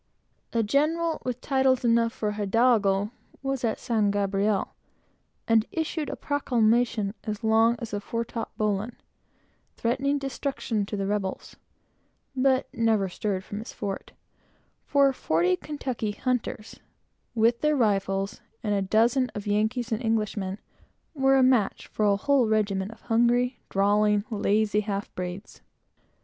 A general, with titles enough for an hidalgo, was at San Gabriel, and issued a proclamation as long as the fore top bowline, threatening destruction to the rebels, but never stirred from his fort; for forty Kentucky hunters, with their rifles, were a match for a whole regiment of hungry, drawling, lazy half breeds.